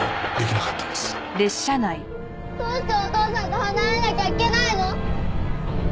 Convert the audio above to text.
どうしてお父さんと離れなきゃいけないの？